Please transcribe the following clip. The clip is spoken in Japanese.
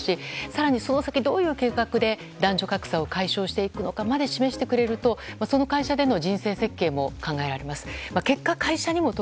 更にその先どういう計画で男女格差を改善していくのかまで示してくれるとその会社での人生設計も考えられます。